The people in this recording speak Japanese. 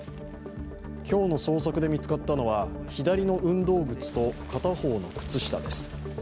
今日の捜索で見つかったのは左足の運動靴と片方の靴下です。